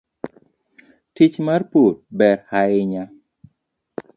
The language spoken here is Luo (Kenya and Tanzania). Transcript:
Tich mar pur ber hainya.